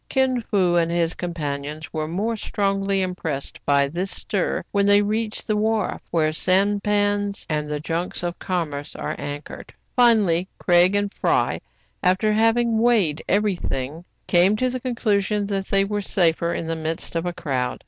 Kin Fo and his companions were more strongly impressed by this stir when they reached the wharf, where sampans and the junks of com merce are anchored. Finally Craig and Fry, after having weighed every thing, came to the conclusion that they were safer in the midst of a crowd.